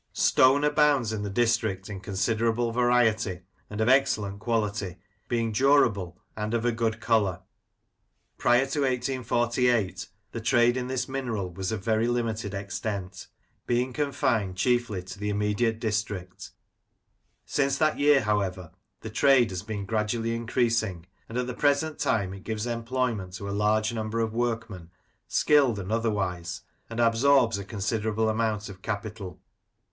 Stone abounds in the district in considerable variety, and of excellent quality, being durable, and of a good colour. Prior to 1848 the trade in this mineral was of very limited extent, being confined chiefly to the immediate district. Since that year, however, the trade has been gradually increasing, and at the present time it gives employment to a large number of workmen, skilled and otherwise, and absorbs a considerable amount of capital.